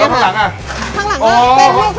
เส้นลวกเครื่องห่อนี้ค่ะ